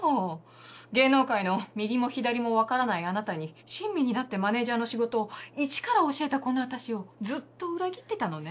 芸能界の右も左もわからないあなたに親身になってマネージャーの仕事を一から教えたこの私をずっと裏切ってたのね。